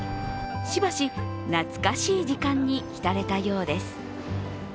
しばし、懐かしい時間にひたれたようです。